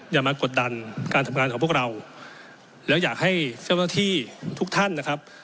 มากดดันการทำงานของพวกเราแล้วอยากให้เจ้าหน้าที่ทุกท่านนะครับ